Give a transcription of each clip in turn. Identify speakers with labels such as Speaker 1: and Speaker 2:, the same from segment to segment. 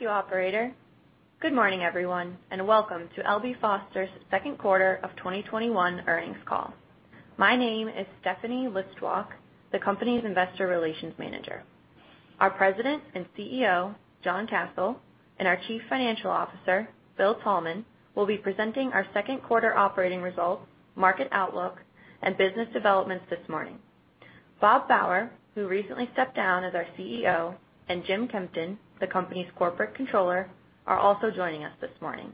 Speaker 1: Thank you, operator. Good morning, everyone, welcome to L.B. Foster's second quarter of 2021 earnings call. My name is Stephanie Listwak, the company's investor relations manager. Our President and CEO, John Kasel, and our Chief Financial Officer, Bill Thalman, will be presenting our second quarter operating results, market outlook, and business developments this morning. Bob Bauer, who recently stepped down as our CEO, and Jim Kempton, the company's Corporate Controller, are also joining us this morning.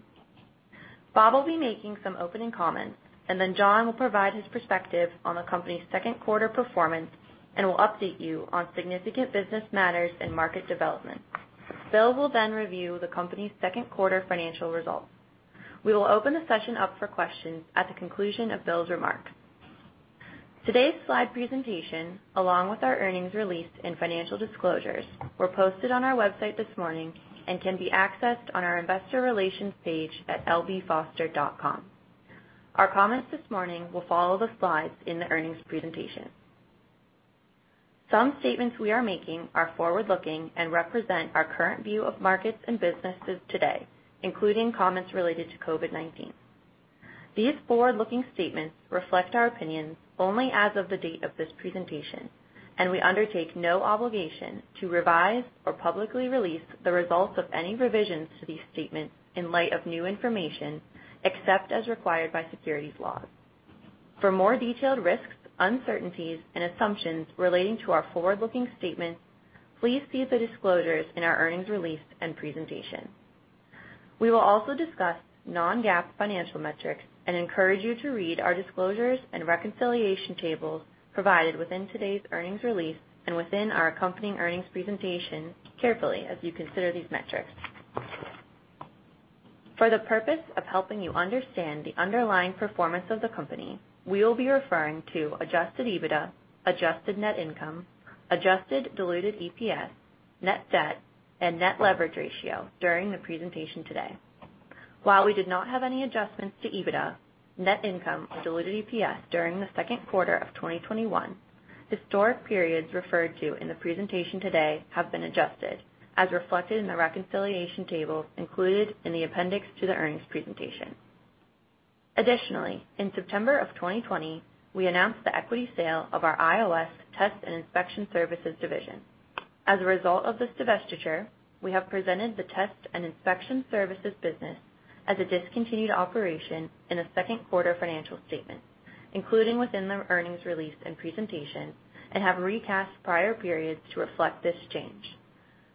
Speaker 1: Bob will be making some opening comments, John will provide his perspective on the company's second quarter performance and will update you on significant business matters and market developments. Bill will review the company's second quarter financial results. We will open the session up for questions at the conclusion of Bill's remarks. Today's slide presentation, along with our earnings release and financial disclosures, were posted on our website this morning and can be accessed on our investor relations page at lbfoster.com. Our comments this morning will follow the slides in the earnings presentation. Some statements we are making are forward-looking and represent our current view of markets and businesses today, including comments related to COVID-19. These forward-looking statements reflect our opinions only as of the date of this presentation, and we undertake no obligation to revise or publicly release the results of any revisions to these statements in light of new information, except as required by securities laws. For more detailed risks, uncertainties, and assumptions relating to our forward-looking statements, please see the disclosures in our earnings release and presentation. We will also discuss non-GAAP financial metrics and encourage you to read our disclosures and reconciliation tables provided within today's earnings release and within our accompanying earnings presentation carefully as you consider these metrics. For the purpose of helping you understand the underlying performance of the company, we will be referring to adjusted EBITDA, adjusted net income, adjusted diluted EPS, net debt, and net leverage ratio during the presentation today. While we did not have any adjustments to EBITDA, net income, or diluted EPS during the second quarter of 2021, historic periods referred to in the presentation today have been adjusted as reflected in the reconciliation tables included in the appendix to the earnings presentation. Additionally, in September of 2020, we announced the equity sale of our IOS test and inspection services division. As a result of this divestiture, we have presented the Inspection Oilfield Services business as a discontinued operation in the second quarter financial statement, including within the earnings release and presentation, and have recast prior periods to reflect this change.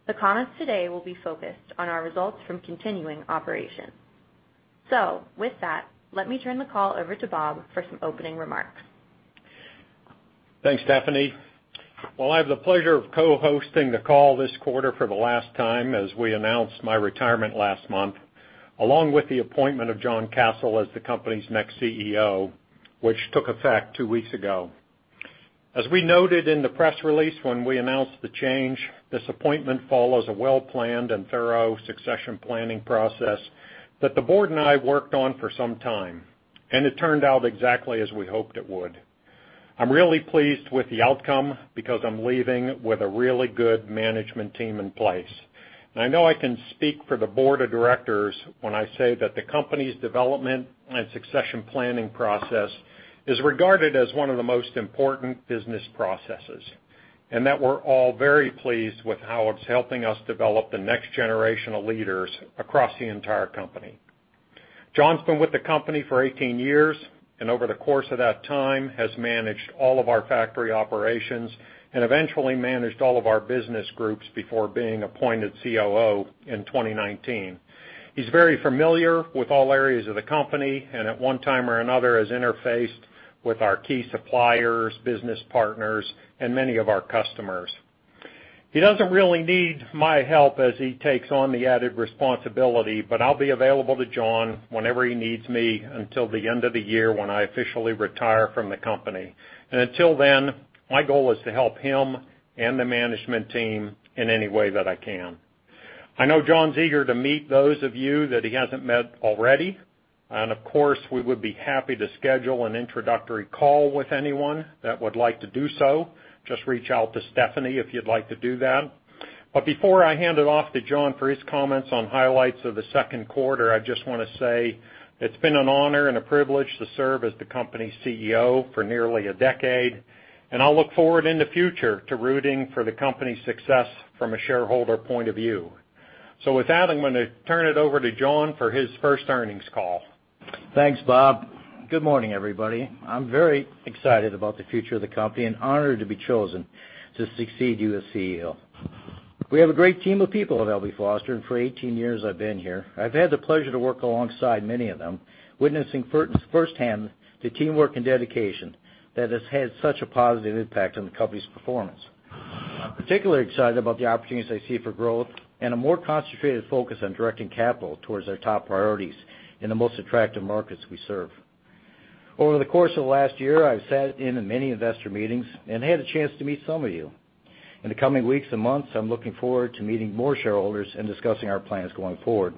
Speaker 1: The comments today will be focused on our results from continuing operations. With that, let me turn the call over to Robert Bauer for some opening remarks.
Speaker 2: Thanks, Stephanie. I have the pleasure of co-hosting the call this quarter for the last time as we announced my retirement last month, along with the appointment of John Kasel as the company's next CEO, which took effect two weeks ago. As we noted in the press release when we announced the change, this appointment follows a well-planned and thorough succession planning process that the board and I worked on for some time, and it turned out exactly as we hoped it would. I'm really pleased with the outcome because I'm leaving with a really good management team in place. I know I can speak for the board of directors when I say that the company's development and succession planning process is regarded as one of the most important business processes, and that we're all very pleased with how it's helping us develop the next generation of leaders across the entire company. John's been with the company for 18 years, and over the course of that time has managed all of our factory operations and eventually managed all of our business groups before being appointed COO in 2019. He's very familiar with all areas of the company, and at one time or another has interfaced with our key suppliers, business partners, and many of our customers. He doesn't really need my help as he takes on the added responsibility, but I'll be available to John whenever he needs me until the end of the year when I officially retire from the company. Until then, my goal is to help him and the management team in any way that I can. I know John's eager to meet those of you that he hasn't met already, and of course, we would be happy to schedule an introductory call with anyone that would like to do so. Just reach out to Stephanie if you'd like to do that. Before I hand it off to John for his comments on highlights of the second quarter, I just want to say it's been an honor and a privilege to serve as the company's CEO for nearly a decade, and I'll look forward in the future to rooting for the company's success from a shareholder point of view. With that, I'm going to turn it over to John for his first earnings call.
Speaker 3: Thanks, Bob. Good morning, everybody. I'm very excited about the future of the company and honored to be chosen to succeed you as CEO. We have a great team of people at L.B. Foster, and for 18 years I've been here, I've had the pleasure to work alongside many of them, witnessing firsthand the teamwork and dedication that has had such a positive impact on the company's performance. I'm particularly excited about the opportunities I see for growth and a more concentrated focus on directing capital towards our top priorities in the most attractive markets we serve. Over the course of the last year, I've sat in on many investor meetings and had a chance to meet some of you. In the coming weeks and months, I'm looking forward to meeting more shareholders and discussing our plans going forward.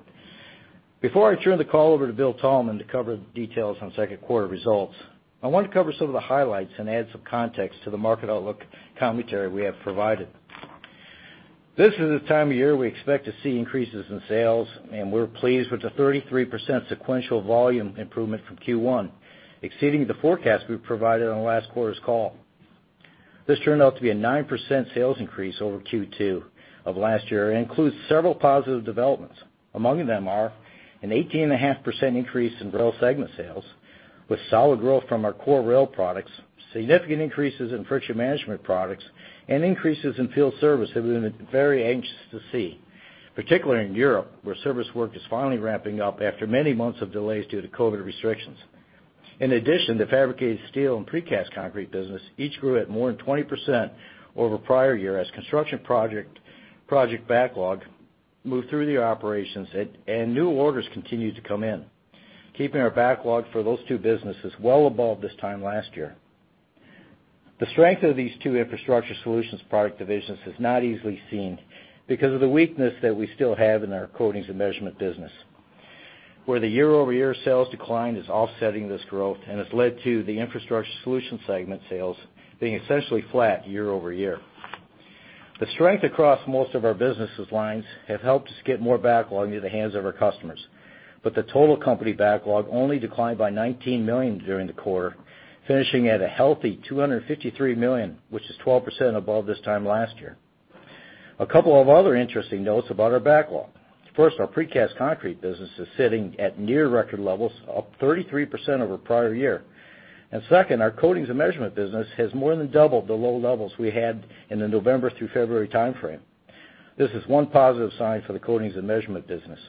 Speaker 3: Before I turn the call over to Bill Thalman to cover the details on second quarter results, I want to cover some of the highlights and add some context to the market outlook commentary we have provided. This is the time of year we expect to see increases in sales, and we're pleased with the 33% sequential volume improvement from Q1, exceeding the forecast we provided on last quarter's call. This turned out to be a 9% sales increase over Q2 of last year and includes several positive developments. Among them are an 18.5% increase in Rail segment sales with solid growth from our core rail products, significant increases in friction management products, and increases in field service that we've been very anxious to see. Particularly in Europe, where service work is finally ramping up after many months of delays due to COVID restrictions. In addition, the fabricated steel and precast concrete business each grew at more than 20% over prior year as construction project backlog moved through the operations and new orders continued to come in, keeping our backlog for those two businesses well above this time last year. The strength of these two Infrastructure Solutions product divisions is not easily seen because of the weakness that we still have in our Coatings and Measurement business, where the year-over-year sales decline is offsetting this growth and has led to the Infrastructure Solutions segment sales being essentially flat year-over-year. The strength across most of our businesses lines have helped us get more backlog into the hands of our customers, but the total company backlog only declined by $19 million during the quarter, finishing at a healthy $253 million, which is 12% above this time last year. A couple of other interesting notes about our backlog. First, our precast concrete business is sitting at near record levels, up 33% over prior year. Second, our Coatings and Measurement business has more than doubled the low levels we had in the November through February timeframe. This is 1 positive sign for the Coatings and Measurement business.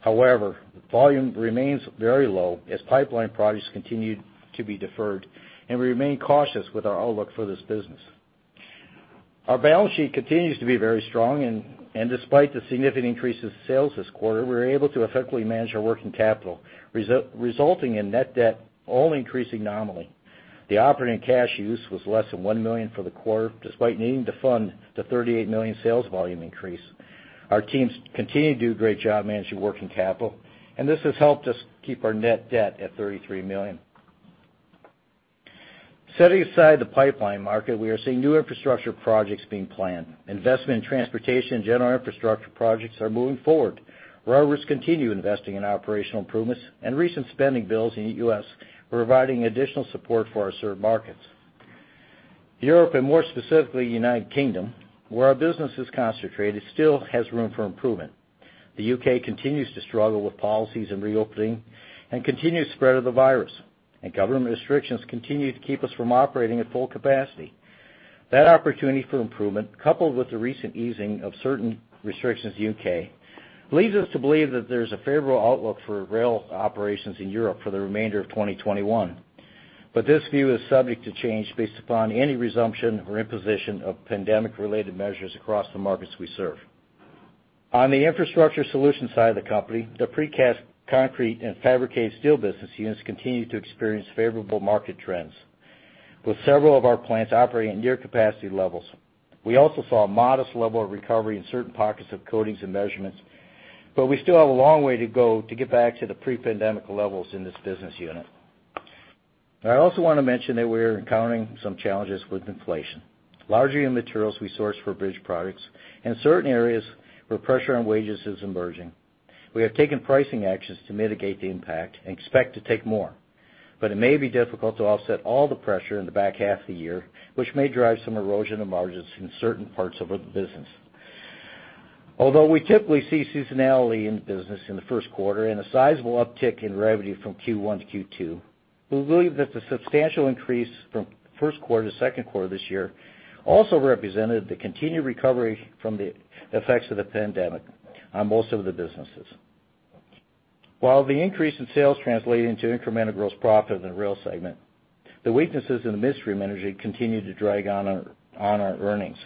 Speaker 3: However, volume remains very low as pipeline projects continue to be deferred, and we remain cautious with our outlook for this business. Our balance sheet continues to be very strong, and despite the significant increase in sales this quarter, we were able to effectively manage our working capital, resulting in net debt only increasing nominally. The operating cash use was less than $1 million for the quarter, despite needing to fund the $38 million sales volume increase. Our teams continue to do a great job managing working capital, and this has helped us keep our net debt at $33 million. Setting aside the pipeline market, we are seeing new infrastructure projects being planned. Investment in transportation and general infrastructure projects are moving forward. Railroads continue investing in operational improvements, and recent spending bills in the U.S. are providing additional support for our served markets. Europe, and more specifically United Kingdom, where our business is concentrated, still has room for improvement. The U.K. continues to struggle with policies and reopening and continued spread of the virus, and government restrictions continue to keep us from operating at full capacity. That opportunity for improvement, coupled with the recent easing of certain restrictions in the U.K., leads us to believe that there's a favorable outlook for rail operations in Europe for the remainder of 2021. This view is subject to change based upon any resumption or imposition of pandemic-related measures across the markets we serve. On the Infrastructure Solutions side of the company, the precast concrete and fabricated steel business units continue to experience favorable market trends, with several of our plants operating at near capacity levels. We also saw a modest level of recovery in certain pockets of Coatings and Measurement, but we still have a long way to go to get back to the pre-pandemic levels in this business unit. I also want to mention that we're encountering some challenges with inflation, larger materials we source for bridge products and certain areas where pressure on wages is emerging. We have taken pricing actions to mitigate the impact and expect to take more. It may be difficult to offset all the pressure in the back half of the year, which may drive some erosion of margins in certain parts of the business. Although we typically see seasonality in the business in the first quarter and a sizable uptick in revenue from Q1 to Q2, we believe that the substantial increase from first quarter to second quarter this year also represented the continued recovery from the effects of the pandemic on most of the businesses. While the increase in sales translating to incremental gross profit in the Rail segment, the weaknesses in the midstream energy continue to drag on our earnings.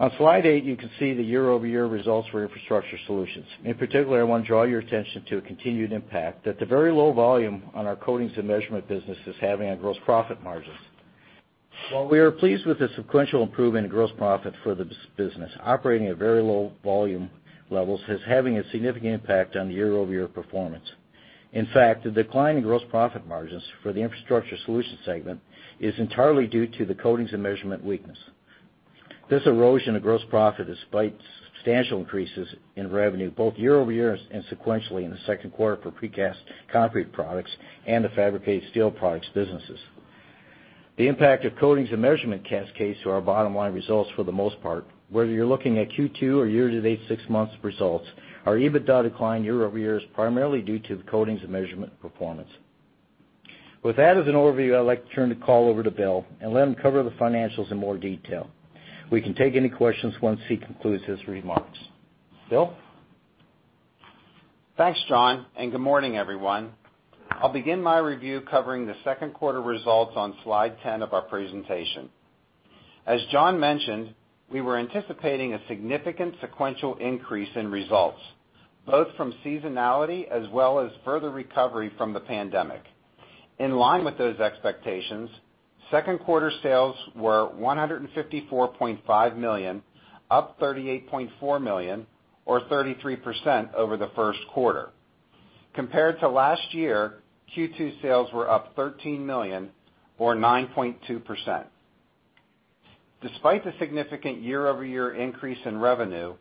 Speaker 3: On slide eight, you can see the year-over-year results for Infrastructure Solutions. In particular, I want to draw your attention to a continued impact that the very low volume on our Coatings and Measurement business is having on gross profit margins. While we are pleased with the sequential improvement in gross profit for the business, operating at very low volume levels is having a significant impact on year-over-year performance. In fact, the decline in gross profit margins for the Infrastructure Solutions segment is entirely due to the Coatings and Measurement weakness. This erosion of gross profit was despite substantial increases in revenue, both year-over-year and sequentially in the second quarter for precast concrete products and the fabricated steel products businesses. The impact of Coatings and Measurement cascades to our bottom line results for the most part. Whether you're looking at Q2 or year-to-date six months results, our EBITDA decline year-over-year is primarily due to the Coatings and Measurement performance. With that as an overview, I'd like to turn the call over to Bill and let him cover the financials in more detail. We can take any questions once he concludes his remarks. Bill?
Speaker 4: Thanks, John, and good morning, everyone. I'll begin my review covering the second quarter results on slide 10 of our presentation. As John mentioned, we were anticipating a significant sequential increase in results, both from seasonality as well as further recovery from the pandemic. In line with those expectations, second quarter sales were $154.5 million, up $38.4 million or 33% over the first quarter. Compared to last year, Q2 sales were up $13 million or 9.2%. Despite the significant year-over-year increase in revenue,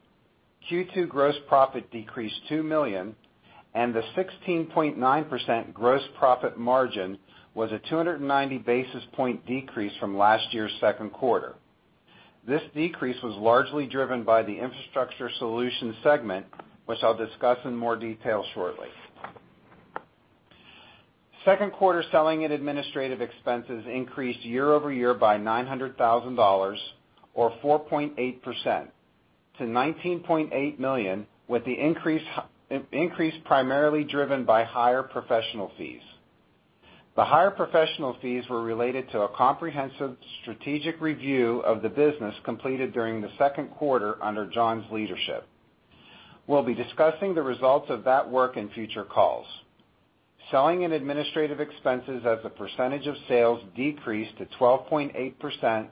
Speaker 4: Q2 gross profit decreased $2 million, and the 16.9% gross profit margin was a 290 basis point decrease from last year's second quarter. This decrease was largely driven by the Infrastructure Solutions segment, which I'll discuss in more detail shortly. Second quarter selling and administrative expenses increased year-over-year by $900,000, or 4.8%, to $19.8 million, with the increase primarily driven by higher professional fees. The higher professional fees were related to a comprehensive strategic review of the business completed during the second quarter under John's leadership. We'll be discussing the results of that work in future calls. Selling and administrative expenses as a percentage of sales decreased to 12.8%,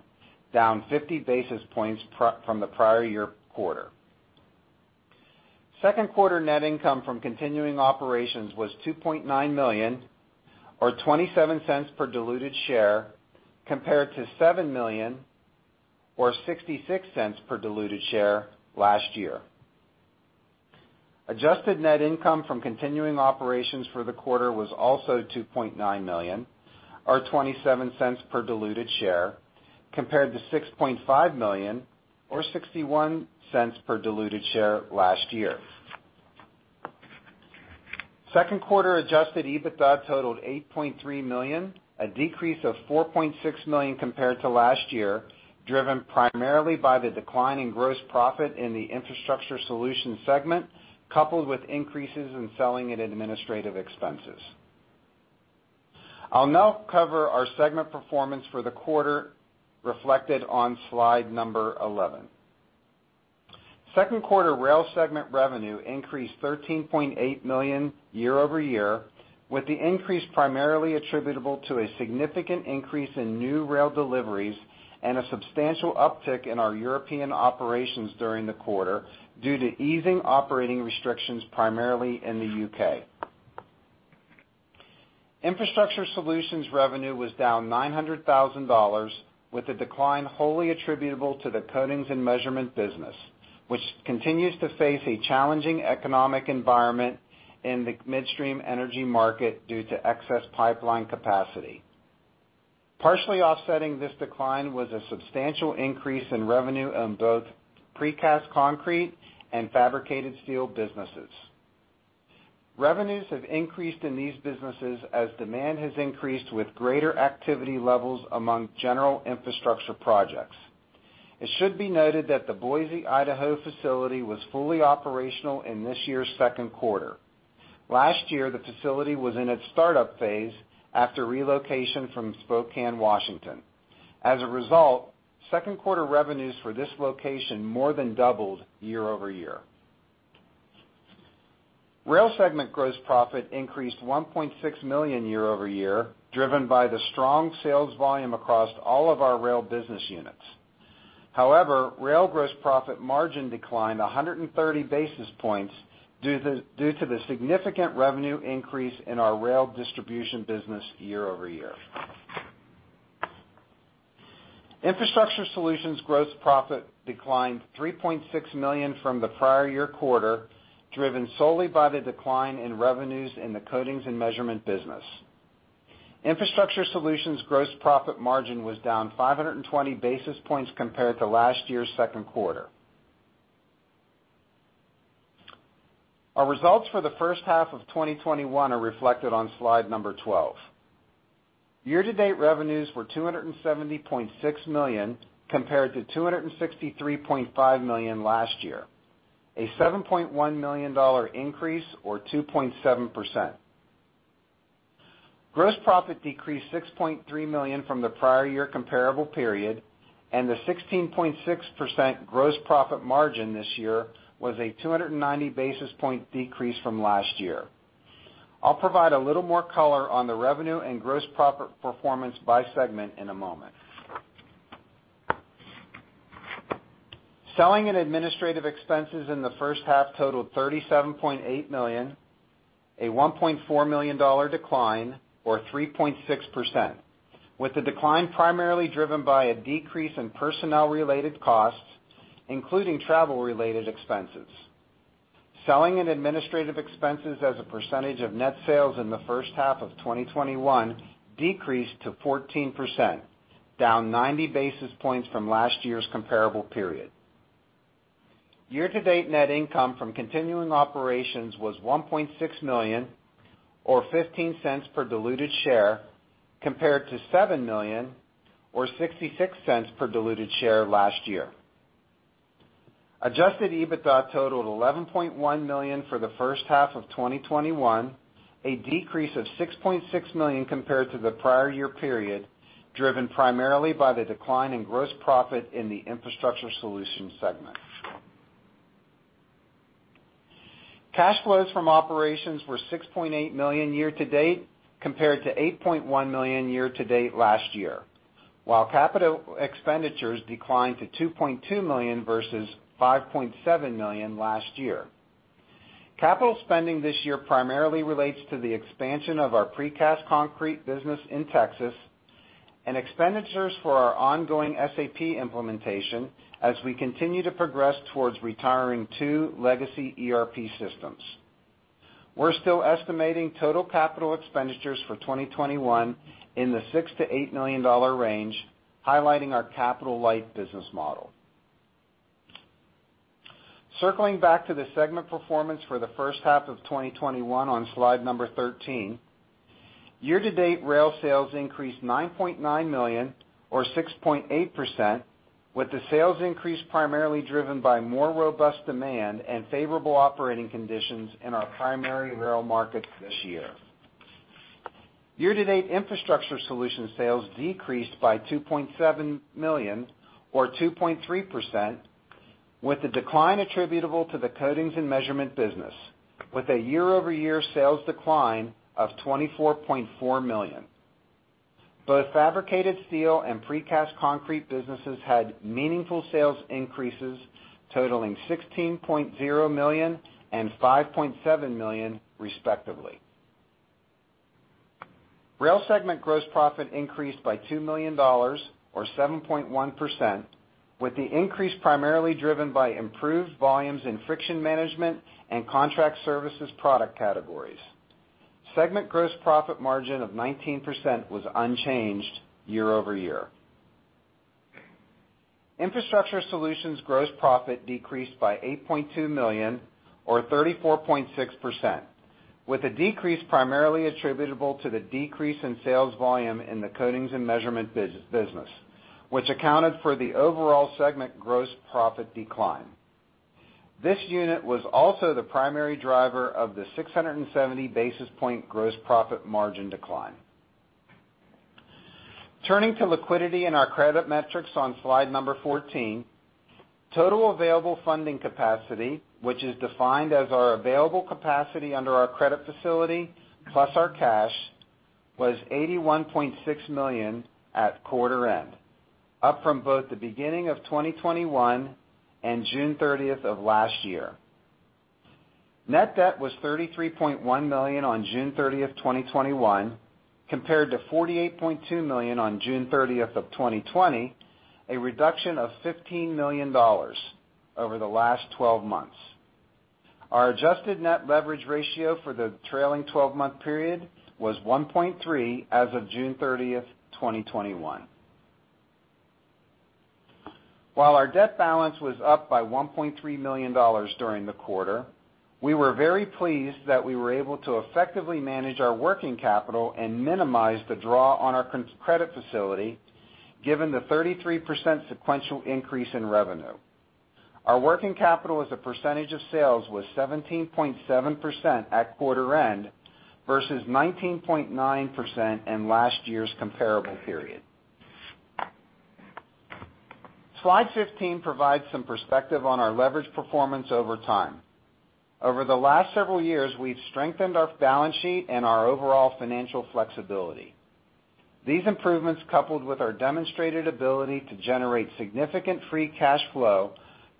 Speaker 4: down 50 basis points from the prior year quarter. Second quarter net income from continuing operations was $2.9 million, or $0.27 per diluted share, compared to $7 million or $0.66 per diluted share last year. adjusted net income from continuing operations for the quarter was also $2.9 million, or $0.27 per diluted share, compared to $6.5 million or $0.61 per diluted share last year. Second quarter adjusted EBITDA totaled $8.3 million, a decrease of $4.6 million compared to last year, driven primarily by the decline in gross profit in the Infrastructure Solutions segment, coupled with increases in selling and administrative expenses. I'll now cover our segment performance for the quarter reflected on slide number 11. Second quarter Rail segment revenue increased $13.8 million year-over-year, with the increase primarily attributable to a significant increase in new rail deliveries and a substantial uptick in our European operations during the quarter due to easing operating restrictions primarily in the U.K. Infrastructure Solutions revenue was down $900,000, with the decline wholly attributable to the Coatings and Measurement business, which continues to face a challenging economic environment in the midstream energy market due to excess pipeline capacity. Partially offsetting this decline was a substantial increase in revenue in both precast concrete and fabricated steel businesses. Revenues have increased in these businesses as demand has increased with greater activity levels among general infrastructure projects. It should be noted that the Boise, Idaho facility was fully operational in this year's second quarter. Last year, the facility was in its startup phase after relocation from Spokane, Washington. As a result, second quarter revenues for this location more than doubled year-over-year. Rail segment gross profit increased $1.6 million year-over-year, driven by the strong sales volume across all of our rail business units. However, rail gross profit margin declined 130 basis points due to the significant revenue increase in our rail distribution business year-over-year. Infrastructure Solutions gross profit declined $3.6 million from the prior year quarter, driven solely by the decline in revenues in the Coatings and Measurement business. Infrastructure Solutions gross profit margin was down 520 basis points compared to last year's second quarter. Our results for the first half of 2021 are reflected on slide number 12. Year-to-date revenues were $270.6 million, compared to $263.5 million last year, a $7.1 million increase or 2.7%. Gross profit decreased $6.3 million from the prior year comparable period. The 16.6% gross profit margin this year was a 290 basis point decrease from last year. I'll provide a little more color on the revenue and gross profit performance by segment in a moment. Selling and administrative expenses in the first half totaled $37.8 million, a $1.4 million decline or 3.6%, with the decline primarily driven by a decrease in personnel-related costs, including travel-related expenses. Selling and administrative expenses as a percentage of net sales in the first half of 2021 decreased to 14%, down 90 basis points from last year's comparable period. Year-to-date net income from continuing operations was $1.6 million or $0.15 per diluted share, compared to $7 million or $0.66 per diluted share last year. Adjusted EBITDA totaled $11.1 million for the first half of 2021, a decrease of $6.6 million compared to the prior year period, driven primarily by the decline in gross profit in the Infrastructure Solutions segment. Cash flows from operations were $6.8 million year to date compared to $8.1 million year to date last year, while capital expenditures declined to $2.2 million versus $5.7 million last year. Capital spending this year primarily relates to the expansion of our precast concrete business in Texas and expenditures for our ongoing SAP implementation as we continue to progress towards retiring two legacy ERP systems. We're still estimating total capital expenditures for 2021 in the $6 million-$8 million range, highlighting our capital-light business model. Circling back to the segment performance for the first half of 2021 on slide number 13. Year to date, rail sales increased $9.9 million or 6.8%, with the sales increase primarily driven by more robust demand and favorable operating conditions in our primary rail markets this year. Year to date, Infrastructure Solutions sales decreased by $2.7 million or 2.3%, with the decline attributable to the Coatings and Measurement business, with a year-over-year sales decline of $24.4 million. Both fabricated steel and precast concrete businesses had meaningful sales increases, totaling $16.0 million and $5.7 million, respectively. Rail segment gross profit increased by $2 million or 7.1%, with the increase primarily driven by improved volumes in friction management and contract services product categories. Segment gross profit margin of 19% was unchanged year-over-year. Infrastructure Solutions gross profit decreased by $8.2 million or 34.6%, with the decrease primarily attributable to the decrease in sales volume in the Coatings and Measurement business, which accounted for the overall segment gross profit decline. This unit was also the primary driver of the 670 basis point gross profit margin decline. Turning to liquidity and our credit metrics on slide number 14. Total available funding capacity, which is defined as our available capacity under our credit facility plus our cash, was $81.6 million at quarter end, up from both the beginning of 2021 and June 30th of last year. Net debt was $33.1 million on June 30th, 2021, compared to $48.2 million on June 30th of 2020, a reduction of $15 million over the last 12 months. Our adjusted net leverage ratio for the trailing 12-month period was 1.3 as of June 30th, 2021. While our debt balance was up by $1.3 million during the quarter, we were very pleased that we were able to effectively manage our working capital and minimize the draw on our credit facility, given the 33% sequential increase in revenue. Our working capital as a percentage of sales was 17.7% at quarter end versus 19.9% in last year's comparable period. Slide 15 provides some perspective on our leverage performance over time. Over the last several years, we've strengthened our balance sheet and our overall financial flexibility. These improvements, coupled with our demonstrated ability to generate significant free cash flow,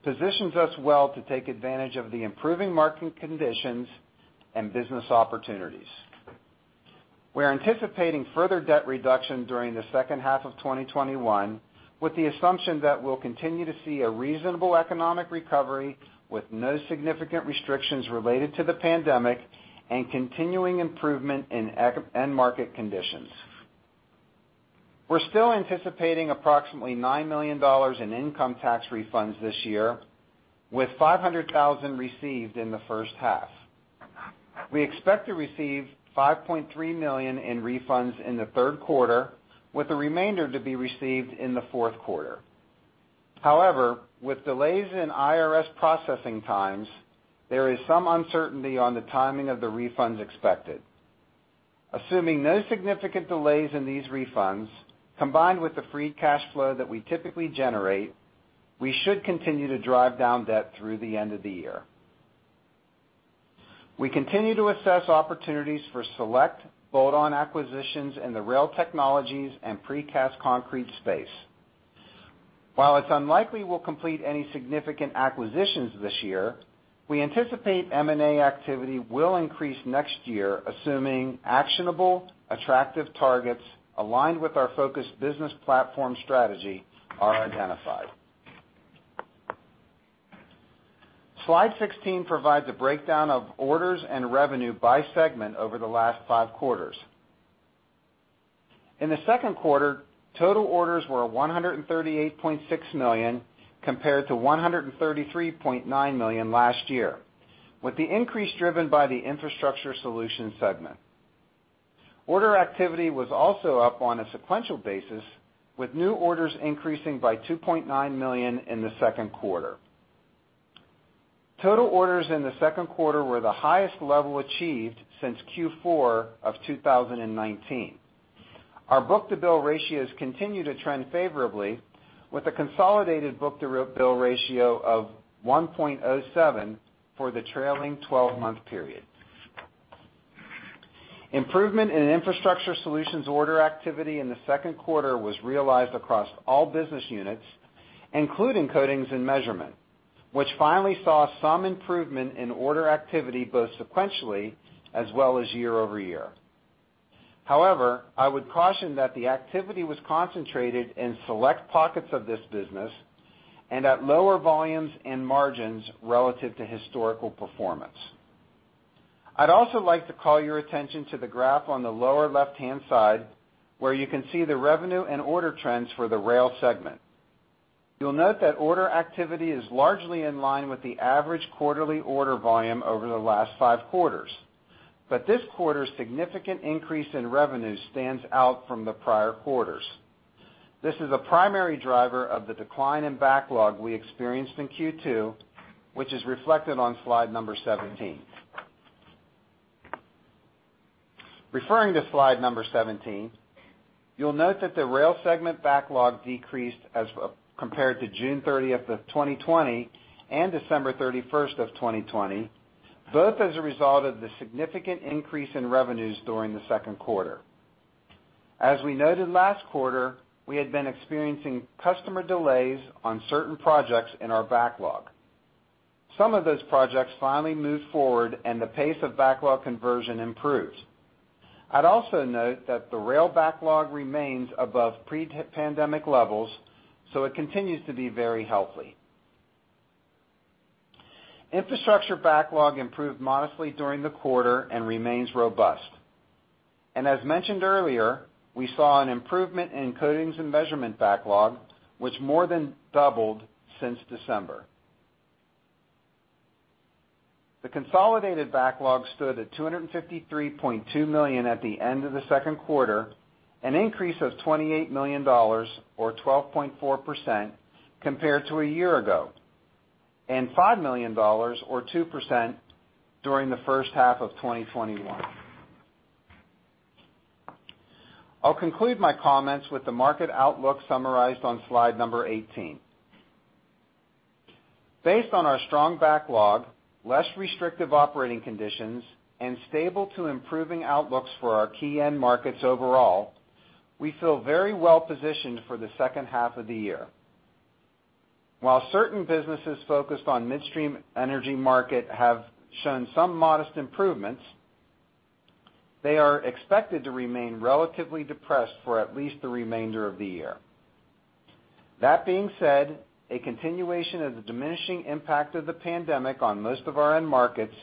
Speaker 4: positions us well to take advantage of the improving market conditions and business opportunities. We're anticipating further debt reduction during the second half of 2021, with the assumption that we'll continue to see a reasonable economic recovery with no significant restrictions related to the pandemic and continuing improvement in end market conditions. We're still anticipating approximately $9 million in income tax refunds this year, with $500,000 received in the first half. We expect to receive $5.3 million in refunds in the third quarter, with the remainder to be received in the fourth quarter. With delays in IRS processing times, there is some uncertainty on the timing of the refunds expected. Assuming no significant delays in these refunds, combined with the free cash flow that we typically generate, we should continue to drive down debt through the end of the year. We continue to assess opportunities for select bolt-on acquisitions in the rail technologies and precast concrete space. While it's unlikely we'll complete any significant acquisitions this year, we anticipate M&A activity will increase next year, assuming actionable, attractive targets aligned with our focused business platform strategy are identified. Slide 16 provides a breakdown of orders and revenue by segment over the last five quarters. In the second quarter, total orders were $138.6 million, compared to $133.9 million last year, with the increase driven by the Infrastructure Solutions segment. Order activity was also up on a sequential basis, with new orders increasing by $2.9 million in the second quarter. Total orders in the second quarter were the highest level achieved since Q4 of 2019. Our book-to-bill ratios continue to trend favorably with a consolidated book-to-bill ratio of 1.07 for the trailing 12-month period. Improvement in Infrastructure Solutions order activity in the second quarter was realized across all business units, including Coatings and Measurement, which finally saw some improvement in order activity both sequentially as well as year-over-year. However, I would caution that the activity was concentrated in select pockets of this business and at lower volumes and margins relative to historical performance. I'd also like to call your attention to the graph on the lower left-hand side, where you can see the revenue and order trends for the Rail segment. You'll note that order activity is largely in line with the average quarterly order volume over the last five quarters, but this quarter's significant increase in revenue stands out from the prior quarters. This is a primary driver of the decline in backlog we experienced in Q2, which is reflected on slide number 17. Referring to slide number 17, you'll note that the Rail segment backlog decreased as compared to June 30th, 2020 and December 31st, 2020, both as a result of the significant increase in revenues during the second quarter. As we noted last quarter, we had been experiencing customer delays on certain projects in our backlog. Some of those projects finally moved forward and the pace of backlog conversion improved. I'd also note that the Rail backlog remains above pre-pandemic levels, so it continues to be very healthy. Infrastructure backlog improved modestly during the quarter and remains robust. As mentioned earlier, we saw an improvement in Coatings and Measurement backlog, which more than doubled since December. The consolidated backlog stood at $253.2 million at the end of the second quarter, an increase of $28 million or 12.4% compared to a year ago, and $5 million or 2% during the first half of 2021. I'll conclude my comments with the market outlook summarized on slide number 18. Based on our strong backlog, less restrictive operating conditions, and stable to improving outlooks for our key end markets overall, we feel very well positioned for the second half of the year. While certain businesses focused on midstream energy market have shown some modest improvements, they are expected to remain relatively depressed for at least the remainder of the year. That being said, a continuation of the diminishing impact of the pandemic on most of our end markets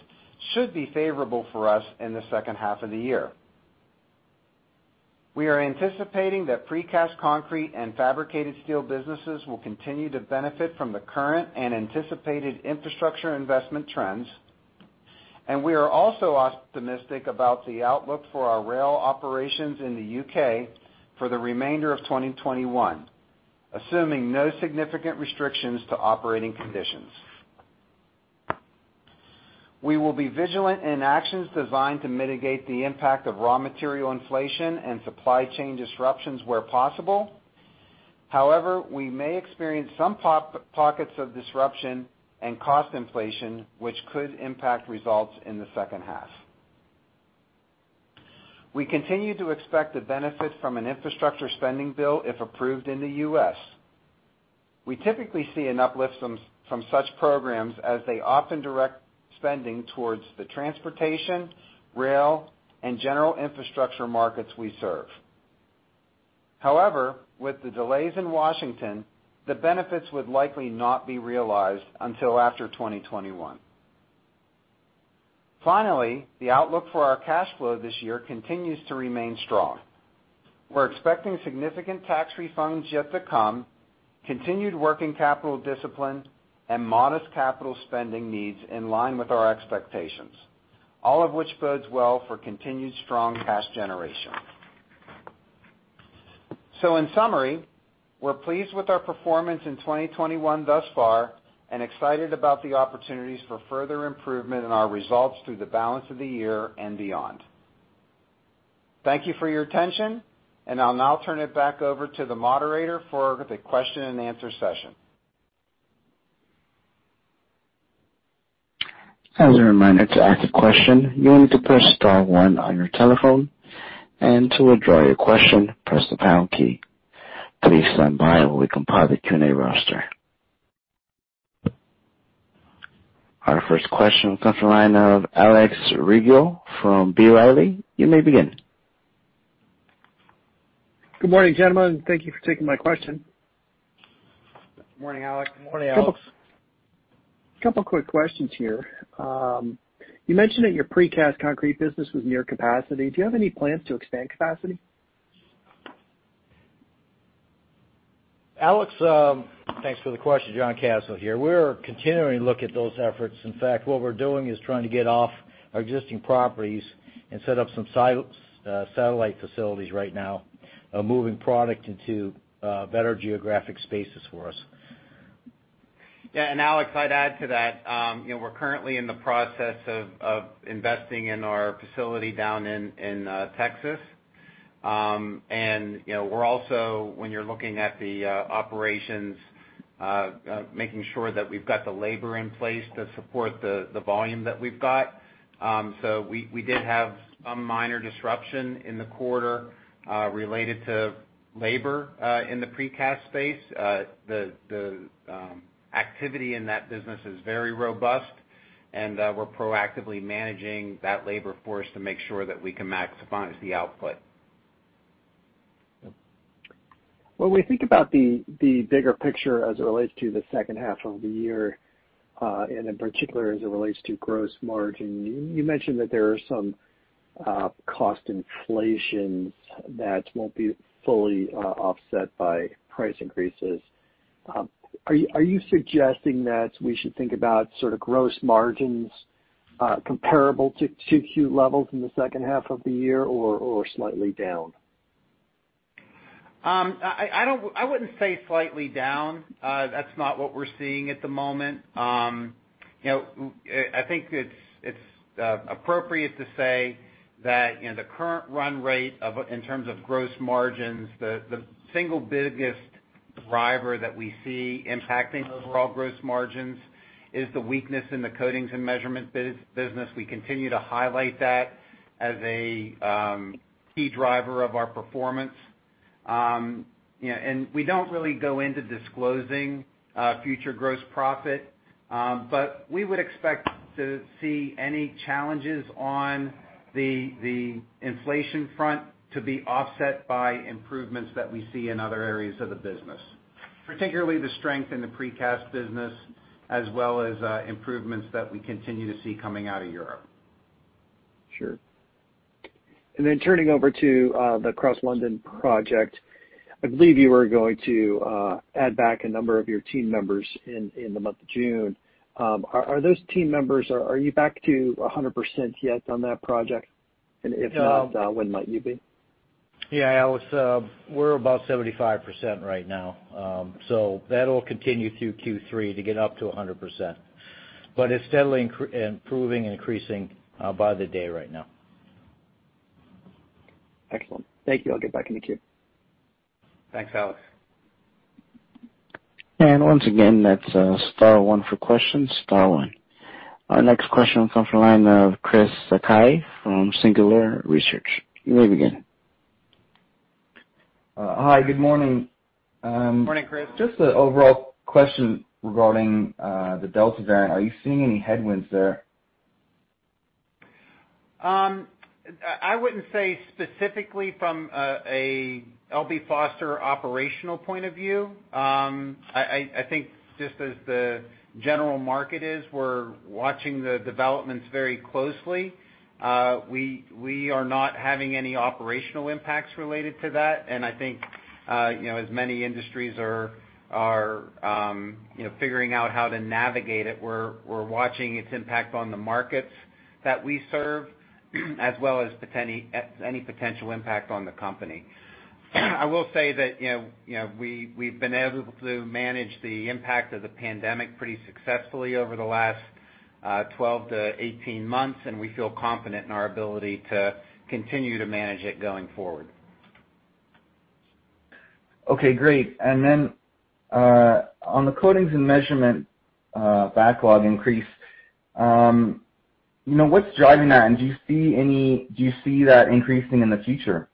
Speaker 4: should be favorable for us in the second half of the year. We are anticipating that precast concrete and fabricated steel businesses will continue to benefit from the current and anticipated infrastructure investment trends, and we are also optimistic about the outlook for our rail operations in the U.K. for the remainder of 2021, assuming no significant restrictions to operating conditions. We will be vigilant in actions designed to mitigate the impact of raw material inflation and supply chain disruptions where possible. However, we may experience some pockets of disruption and cost inflation, which could impact results in the second half. We continue to expect the benefit from an infrastructure spending bill if approved in the U.S. We typically see an uplift from such programs as they often direct spending towards the transportation, rail, and general infrastructure markets we serve. However, with the delays in Washington, the benefits would likely not be realized until after 2021. Finally, the outlook for our cash flow this year continues to remain strong. We're expecting significant tax refunds yet to come, continued working capital discipline, and modest capital spending needs in line with our expectations, all of which bodes well for continued strong cash generation. In summary, we're pleased with our performance in 2021 thus far and excited about the opportunities for further improvement in our results through the balance of the year and beyond. Thank you for your attention, and I'll now turn it back over to the moderator for the question and answer session.
Speaker 5: Our first question comes from the line of Alex Rygiel from B. Riley. You may begin.
Speaker 6: Good morning, gentlemen. Thank you for taking my question.
Speaker 3: Morning, Alex.
Speaker 4: Morning, Alex.
Speaker 6: A couple quick questions here. You mentioned that your precast concrete business was near capacity. Do you have any plans to expand capacity?
Speaker 3: Alex, thanks for the question. John Kasel here. We're continuing to look at those efforts. In fact, what we're doing is trying to get off our existing properties and set up some satellite facilities right now, moving product into better geographic spaces for us. Alex, I'd add to that. We're currently in the process of investing in our facility down in Texas. We're also, when you're looking at the operations, making sure that we've got the labor in place to support the volume that we've got. We did have some minor disruption in the quarter, related to labor, in the precast space. The activity in that business is very robust, and we're proactively managing that labor force to make sure that we can maximize the output.
Speaker 6: When we think about the bigger picture as it relates to the second half of the year, and in particular as it relates to gross margin, you mentioned that there are some cost inflations that won't be fully offset by price increases. Are you suggesting that we should think about sort of gross margins comparable to 2Q levels in the second half of the year or slightly down?
Speaker 4: I wouldn't say slightly down. That's not what we're seeing at the moment. I think it's appropriate to say that in the current run rate in terms of gross margins, the single biggest driver that we see impacting overall gross margins is the weakness in the Coatings and Measurement business. We continue to highlight that as a key driver of our performance. We don't really go into disclosing future gross profit. We would expect to see any challenges on the inflation front to be offset by improvements that we see in other areas of the business. Particularly the strength in the precast business as well as improvements that we continue to see coming out of Europe.
Speaker 6: Sure. Turning over to the Crossrail project, I believe you were going to add back a number of your team members in the month of June. Are those team members back to 100% yet on that project?
Speaker 3: No
Speaker 6: when might you be?
Speaker 3: Yeah, Alex, we're about 75% right now. That'll continue through Q3 to get up to 100%. It's steadily improving and increasing by the day right now.
Speaker 6: Excellent. Thank you. I'll give back to you, Keith.
Speaker 3: Thanks, Alex.
Speaker 5: Once again, that's star one for questions, star one. Our next question comes from the line of Christopher Sakai from Singular Research. You may begin.
Speaker 7: Hi, good morning.
Speaker 3: Morning, Chris.
Speaker 7: Just an overall question regarding the Delta variant. Are you seeing any headwinds there?
Speaker 4: I wouldn't say specifically from a L.B. Foster operational point of view. I think just as the general market is, we're watching the developments very closely. We are not having any operational impacts related to that, and I think, as many industries are figuring out how to navigate it, we're watching its impact on the markets that we serve, as well as any potential impact on the company. I will say that we've been able to manage the impact of the pandemic pretty successfully over the last 12 to 18 months, and we feel confident in our ability to continue to manage it going forward.
Speaker 7: Okay, great. On the Coatings and Measurement backlog increase, what's driving that, and do you see that increasing in the future?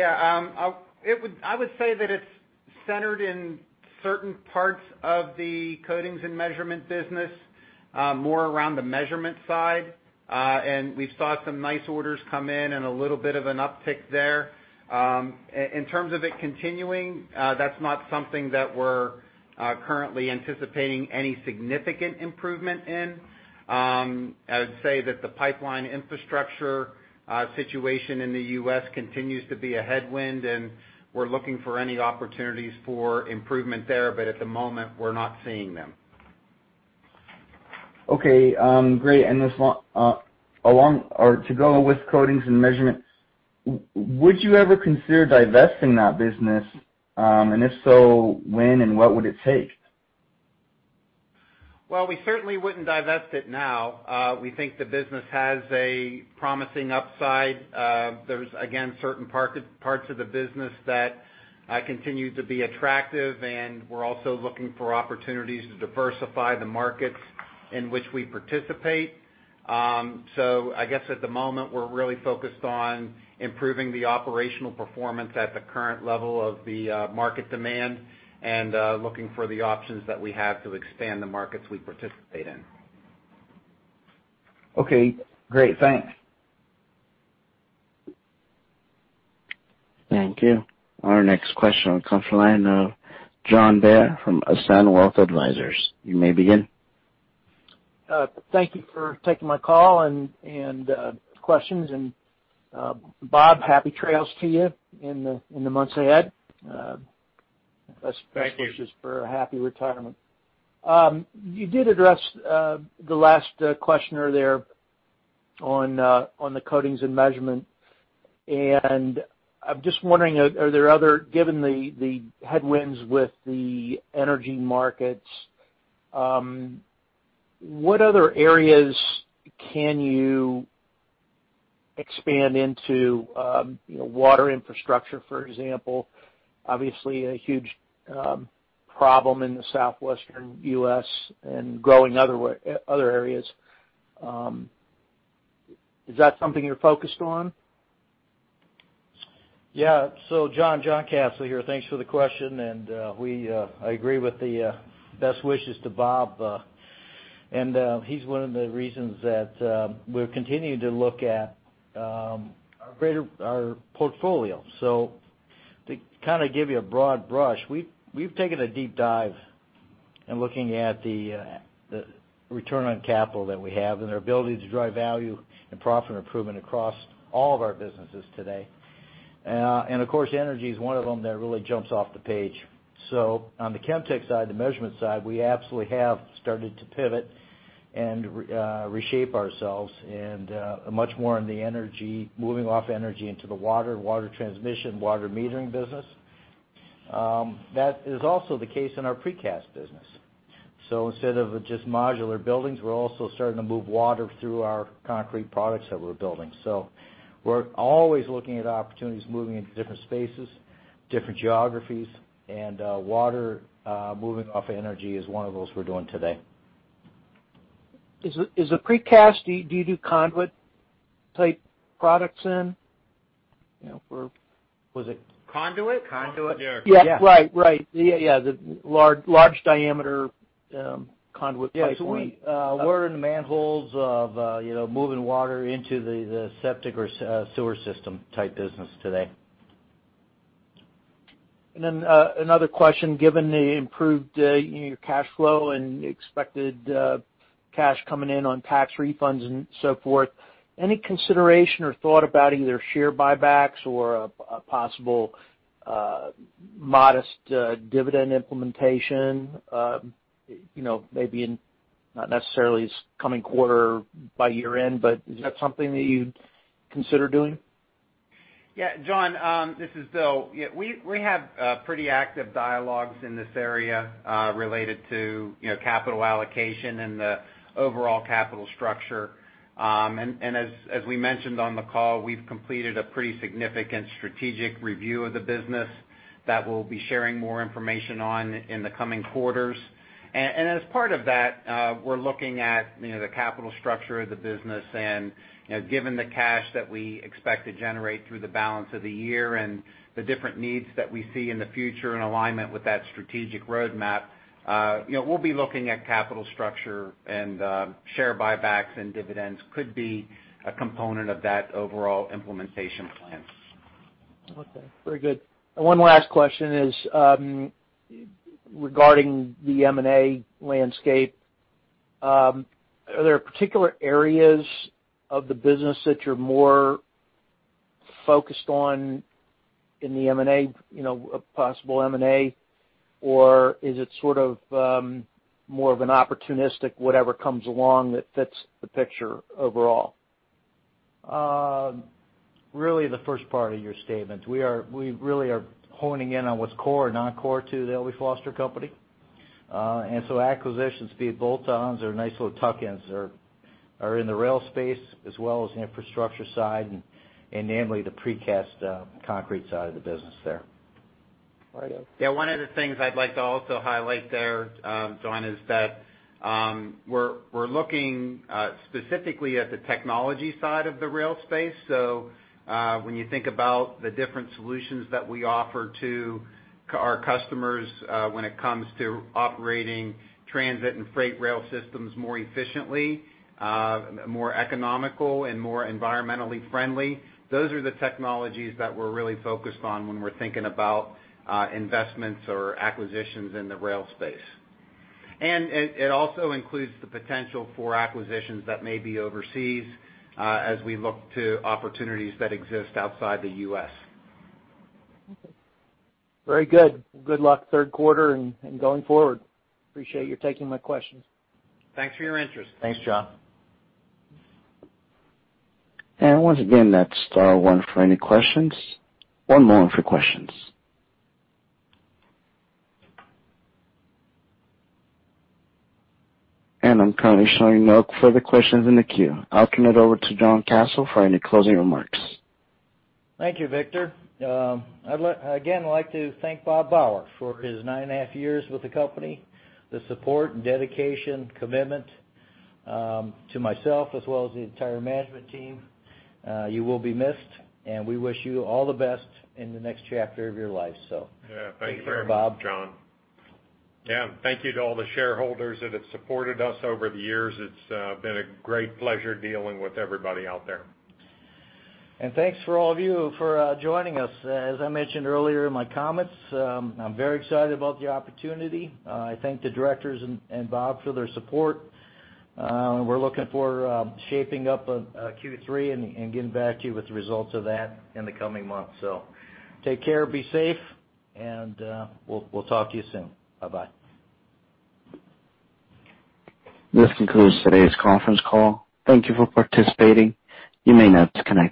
Speaker 4: I would say that it's centered in certain parts of the Coatings and Measurement business, more around the measurement side. We've saw some nice orders come in and a little bit of an uptick there. In terms of it continuing, that's not something that we're currently anticipating any significant improvement in. I'd say that the pipeline infrastructure situation in the U.S. continues to be a headwind, and we're looking for any opportunities for improvement there, but at the moment, we're not seeing them.
Speaker 7: Okay, great, to go with Coatings and Measurement, would you ever consider divesting that business? If so, when and what would it take?
Speaker 3: Well, we certainly wouldn't divest it now. We think the business has a promising upside. There's again, certain parts of the business that continue to be attractive, and we're also looking for opportunities to diversify the markets in which we participate. I guess at the moment, we're really focused on improving the operational performance at the current level of the market demand and looking for the options that we have to expand the markets we participate in.
Speaker 7: Okay, great. Thanks.
Speaker 5: Thank you. Our next question comes from the line of John Bair from Ascend Wealth Advisors. You may begin.
Speaker 8: Thank you for taking my call and questions. Bob, happy trails to you in the months ahead.
Speaker 2: Thank you.
Speaker 8: Best wishes for a happy retirement. You did address the last questioner there on the Coatings and Measurement. I'm just wondering, given the headwinds with the energy markets, what other areas can you expand into? Water infrastructure, for example. Obviously, a huge problem in the southwestern U.S. and growing other areas. Is that something you're focused on?
Speaker 3: Yeah. John Kasel here. Thanks for the question, and I agree with the best wishes to Bob Bauer. He's one of the reasons that we're continuing to look at our portfolio. To kind of give you a broad brush, we've taken a deep dive in looking at the return on capital that we have and their ability to drive value and profit improvement across all of our businesses today. Of course, energy is one of them that really jumps off the page. On the Chemtec side, the measurement side, we absolutely have started to pivot and reshape ourselves and much more in the energy, moving off energy into the water transmission, water metering business. That is also the case in our precast business. Instead of just modular buildings, we're also starting to move water through our concrete products that we're building. We're always looking at opportunities, moving into different spaces, different geographies, and water, moving off of energy is one of those we're doing today.
Speaker 8: Is the precast, do you do conduit-type products then?
Speaker 3: Was it conduit?
Speaker 8: Conduit, yeah. Yeah. Right. Yeah. The large diameter conduit pipe.
Speaker 3: Yeah. We're in the manholes of moving water into the septic or sewer system type business today.
Speaker 8: Another question, given the improved cash flow and expected cash coming in on tax refunds and so forth, any consideration or thought about either share buybacks or a possible modest dividend implementation? Maybe in not necessarily this coming quarter by year-end, but is that something that you'd consider doing?
Speaker 4: Yeah, John, this is Bill. Yeah, we have pretty active dialogues in this area, related to capital allocation and the overall capital structure. As we mentioned on the call, we've completed a pretty significant strategic review of the business that we'll be sharing more information on in the coming quarters. As part of that, we're looking at the capital structure of the business, and given the cash that we expect to generate through the balance of the year and the different needs that we see in the future in alignment with that strategic roadmap, we'll be looking at capital structure and share buybacks and dividends could be a component of that overall implementation plan.
Speaker 8: Okay. Very good. One last question is regarding the M&A landscape. Are there particular areas of the business that you're more focused on in the M&A, possible M&A, or is it sort of more of an opportunistic, whatever comes along that fits the picture overall?
Speaker 3: Really the first part of your statement. We really are honing in on what's core and non-core to the L.B. Foster Company. Acquisitions, be it bolt-ons or nice little tuck-ins, are in the rail space as well as infrastructure side and namely the precast concrete side of the business there.
Speaker 4: All right. Yeah. One of the things I'd like to also highlight there, John, is that we're looking specifically at the technology side of the rail space. When you think about the different solutions that we offer to our customers when it comes to operating transit and freight rail systems more efficiently, more economical, and more environmentally friendly, those are the technologies that we're really focused on when we're thinking about investments or acquisitions in the rail space. It also includes the potential for acquisitions that may be overseas as we look to opportunities that exist outside the U.S.
Speaker 8: Okay. Very good. Good luck third quarter and going forward. Appreciate you taking my questions.
Speaker 4: Thanks for your interest.
Speaker 3: Thanks, John.
Speaker 5: Once again, that's star one for any questions. One moment for questions. I'm currently showing no further questions in the queue. I'll turn it over to John Kasel for any closing remarks.
Speaker 3: Thank you, Victor. I'd again like to thank Bob Bauer for his nine and a half years with the company, the support and dedication, commitment to myself as well as the entire management team. You will be missed, and we wish you all the best in the next chapter of your life.
Speaker 2: Yeah. Thank you.
Speaker 3: Thank you, Bob.
Speaker 2: John. Yeah, thank you to all the shareholders that have supported us over the years. It's been a great pleasure dealing with everybody out there.
Speaker 3: Thanks for all of you for joining us. As I mentioned earlier in my comments, I'm very excited about the opportunity. I thank the directors and Bob for their support. We're looking for shaping up Q3 and getting back to you with the results of that in the coming months. Take care, be safe, and we'll talk to you soon. Bye-bye.
Speaker 5: This concludes today's conference call. Thank you for participating. You may now disconnect.